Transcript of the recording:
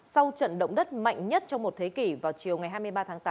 sau trận động đất mạnh nhất trong một thế kỷ vào chiều ngày hai mươi ba tháng tám